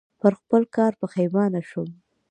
پر خپل کار پښېمانه شوم .